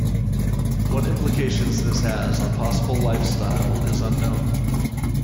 What implications this has on possible lifestyle is unknown.